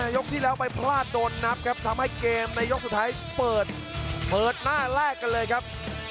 ยกที่แล้วไปพลาดโดนนับครับทำให้เกมในยกสุดท้ายเปิดเปิดหน้าแลกกันเลยครับ